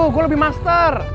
gue lebih master